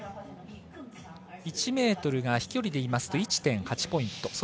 １ｍが飛距離でいいますと１．８ポイント。